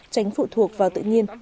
tránh phụ thuộc vào tự nhiên